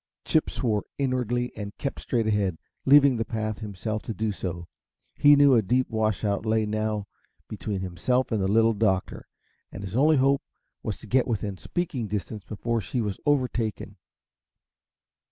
Chip swore inwardly and kept straight ahead, leaving the path himself to do so. He knew a deep washout lay now between himself and the Little Doctor, and his only hope was to get within speaking distance before she was overtaken.